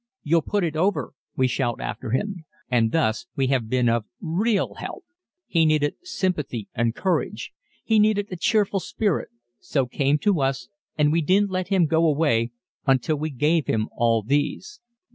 "You'll put it over," we shout after him and thus we have been of real help. He needed sympathy and courage. He needed a cheerful spirit so came to us and we didn't let him go away until we gave him all these.